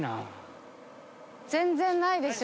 全然ないですよ。